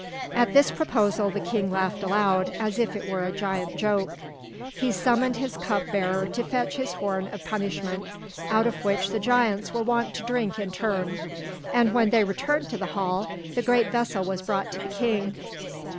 At this proposal the king laughed aloud, as if it were a giant joke. He summoned his cup bearer to fetch his horn of punishment, out of which the giants were wont to drink in turn. And when they returned to the hall, the great vessel was brought to the king.